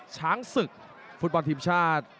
ช้างศึกฟุตบอลทีมชาติ